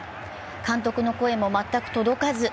監督の声も全く届かず。